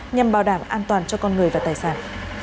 nhằm bảo đảm an toàn cho con người và tài sản